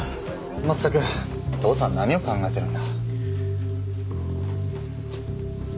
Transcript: まったく父さん何を考えてるんだ。